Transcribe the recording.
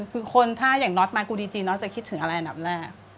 คือคนถ้าอย่างน็อตมากูดีจีนอสจะคิดถึงอะไรอันดับแรก